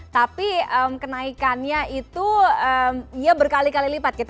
tapi kenaikannya itu ya berkali kali lipat